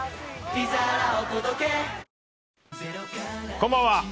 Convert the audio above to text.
こんばんは。